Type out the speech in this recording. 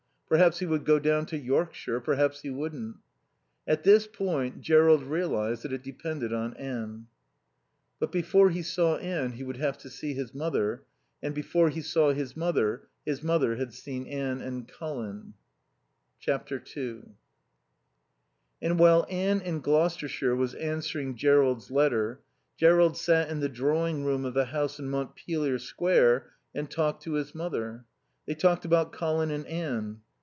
Perhaps he would go down to Yorkshire. Perhaps he wouldn't. At this point Jerrold realised that it depended on Anne. But before he saw Anne he would have to see his mother. And before he saw his mother his mother had seen Anne and Colin. ii And while Anne in Gloucestershire was answering Jerrold's letter, Jerrold sat in the drawing room of the house in Montpelier Square and talked to his mother. They talked about Colin and Anne.